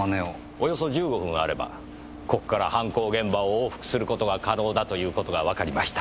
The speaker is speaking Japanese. およそ１５分あればここから犯行現場を往復する事が可能だという事がわかりました。